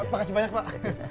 makasih banyak pak